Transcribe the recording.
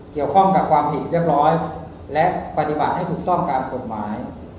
เกี่ยวข้องกับความผิดเรียบร้อยและปฏิบัติให้ถูกต้องตามกฎหมาย